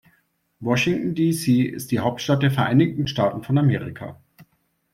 Washington, D.C. ist die Hauptstadt der Vereinigten Staaten von Amerika.